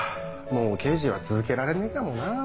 もう刑事は続けられねえかもな。